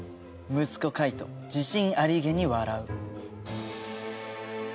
息子カイト自信ありげに笑う。